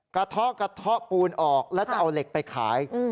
กระท่อกระท่อปูนออกแล้วจะเอาเหล็กไปขายอืม